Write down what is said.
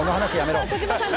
児嶋さん